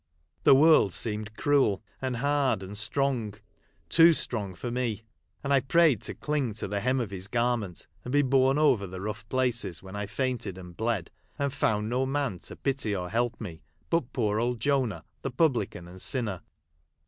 The world seemed cruel, and hard, and strong — too strong for me ; and I prayed to cling to the hem of his garment, and be borne over the rough places when I fainted and bled, and found no man to pity or help me, but poor old Jonah, the publican and sinner.